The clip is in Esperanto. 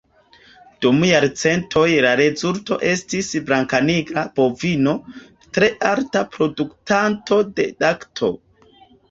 Dum jarcentoj, la rezulto estis blankanigra bovino tre alta produktanto de lakto.